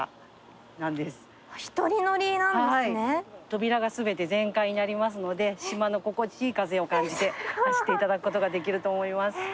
扉が全て全開になりますので島の心地いい風を感じて走っていただくことができると思います。